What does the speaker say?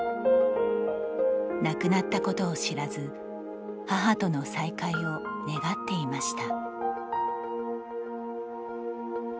亡くなったことを知らず母との再会を願っていました。